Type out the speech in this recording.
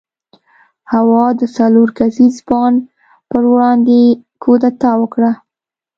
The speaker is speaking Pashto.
هوا د څلور کسیز بانډ پر وړاندې کودتا وکړه.